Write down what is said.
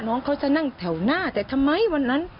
น้องเขาจะนั่งแถวหน้าแต่ทำไมวันนั้น